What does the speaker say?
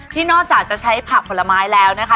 นอกจากจะใช้ผักผลไม้แล้วนะคะ